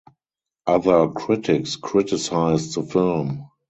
Other critics criticized the film.